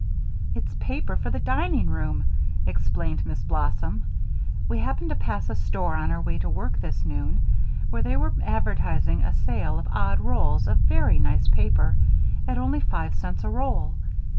"It's paper for the dining room," explained Miss Blossom. "We happened to pass a store, on our way to work this noon, where they were advertising a sale of odd rolls of very nice paper at only five cents a roll.